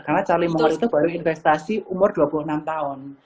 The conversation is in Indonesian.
karena charlie munger itu baru investasi umur dua puluh enam tahun